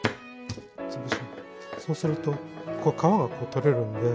そうすると皮が取れるんで。